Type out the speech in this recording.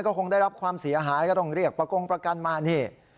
ก็คงได้รับความเสียหายก็ต้องเรียกประกงประกันมานี่